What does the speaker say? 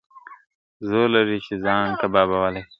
زور لري چي ځان کبابولای سي !.